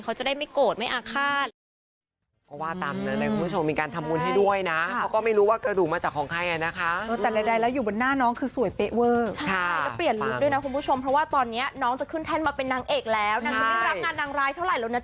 เขาจะได้ไม่โกรธไม่อาฆาต